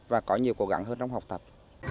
và có nhiều cố gắng hơn trong học tập